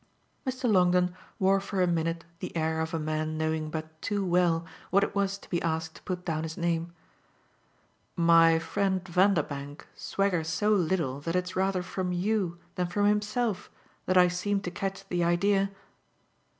Mr. Longdon wore for a minute the air of a man knowing but too well what it was to be asked to put down his name. "My friend Vanderbank swaggers so little that it's rather from you than from himself that I seem to catch the idea